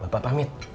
bu bapak pamit